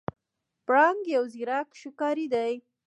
پړانګ یو زیرک ښکاری دی.